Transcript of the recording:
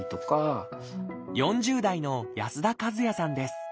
４０代の安田和也さんです。